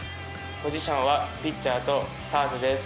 ポジションはピッチャーとサードです。